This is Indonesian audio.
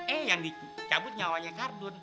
eh yang dicabut nyawanya kardun